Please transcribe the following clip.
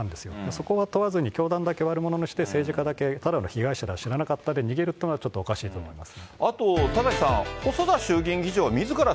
そこは問わずに教団だけ悪者にして政治家だけただの被害者だ、知らなかったで逃げるのは違うと思います。